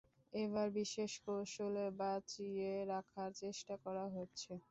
এবার বিশেষ কৌশলে বাঁচিয়ে রাখার চেষ্টা করা হচ্ছে।